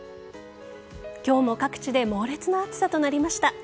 今日も各地で猛烈な暑さとなりました。